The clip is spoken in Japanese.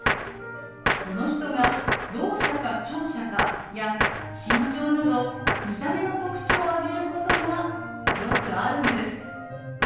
その人がろう者か聴者かや身長など見た目の特徴を挙げることがよくあるんです。